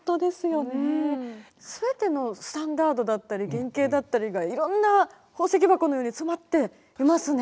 全てのスタンダードだったり原形だったりがいろんな宝石箱のように詰まっていますね。